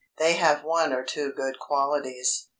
They have one or two good qualities.